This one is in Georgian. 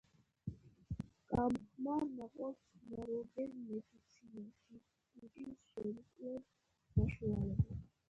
გამხმარ ნაყოფს ხმარობენ მედიცინაში კუჭის შემკვრელ საშუალებად.